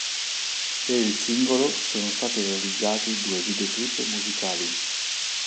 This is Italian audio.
Per il singolo sono stati realizzati due videoclip musicali.